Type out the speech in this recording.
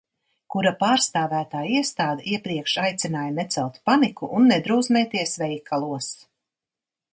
Kura pārstāvētā iestāde iepriekš aicināja necelt paniku un nedrūzmēties veikalos.